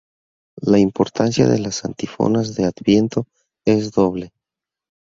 La importancia de las "antífonas de Adviento" es doble.